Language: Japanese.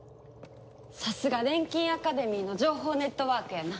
さすが錬金アカデミーの情報ネットワークやな。